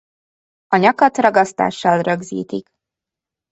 A nyakat ragasztással rögzítik.